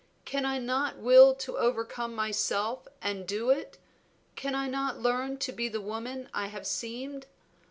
Can I not will to overcome myself and do it? Can I not learn to be the woman I have seemed?